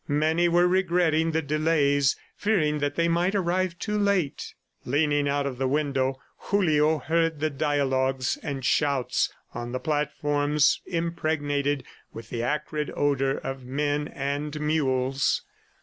Many were regretting the delays, fearing that they might arrive too late. Leaning out of the window, Julio heard the dialogues and shouts on the platforms impregnated with the acrid odor of men and mules.